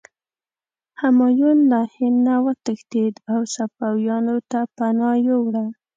همایون له هند نه وتښتېد او صفویانو ته پناه یووړه.